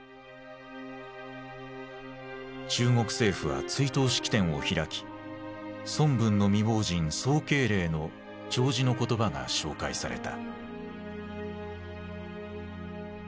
中国政府は追悼式典を開き孫文の未亡人・宋慶齢の弔辞の言葉が紹介された。